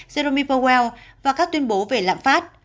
jeremy powell và các tuyên bố về lạm phát